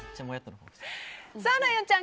ライオンちゃん